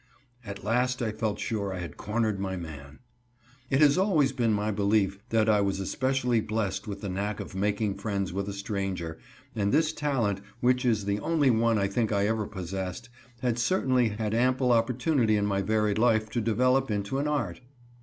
At last I felt sure I had cornered my man. It has always been my belief that I was especially blessed with the knack of making friends with a stranger, and this talent, which is the only one I think I ever possessed, had certainly had ample opportunity in my varied life to develop into an art.